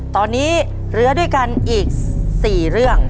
ตอนนี้เหลือด้วยกันอีก๔เรื่อง